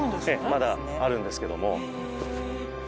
まだあるんですけども。